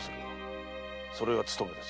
それが務めです。